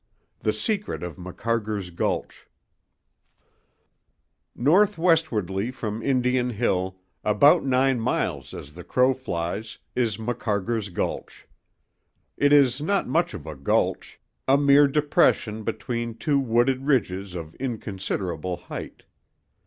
THE SECRET OF MACARGER'S GULCH NORTHWESTWARDLY from Indian Hill, about nine miles as the crow flies, is Macarger's Gulch. It is not much of a gulch—a mere depression between two wooded ridges of inconsiderable height.